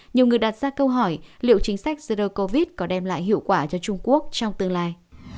nhiều người đặt ra câu hỏi liệu chính sách zero covid có đem lại hiệu quả cho trung quốc trong tương lai